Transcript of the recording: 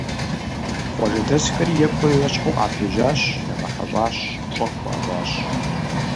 Къуажэдэсхэри екӀурэ-ещхьу къапежьащ, ягъэхьэщӀащ, пщӀэ къыхуащӀащ.